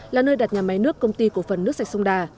là nơi đặt nhà máy nước công ty cổ phần nước sạch sông đà